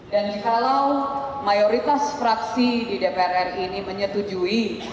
dan kalau mayoritas fraksi di dpr ini menyetujui